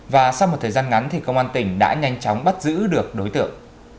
và sau một thời gian ngắn thì công an tỉnh đã nhanh chóng bắt giữ được đối tượng